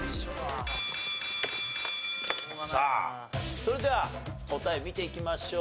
さあそれでは答え見ていきましょう。